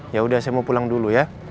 yaudah saya mau pulang dulu ya